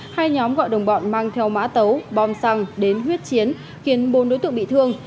hai nhóm gọi đồng bọn mang theo mã tấu bom xăng đến huyết chiến khiến bốn đối tượng bị thương